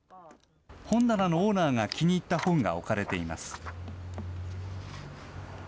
本棚のオーナーが気に入った本が置かれています。